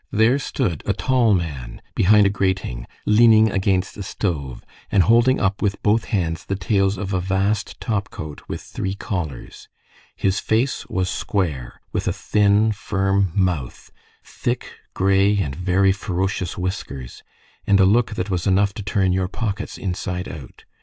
There stood a tall man behind a grating, leaning against a stove, and holding up with both hands the tails of a vast topcoat, with three collars. His face was square, with a thin, firm mouth, thick, gray, and very ferocious whiskers, and a look that was enough to turn your pockets inside out.